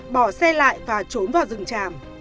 bỏ xe lại và trốn vào rừng tràm